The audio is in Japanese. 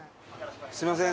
すみません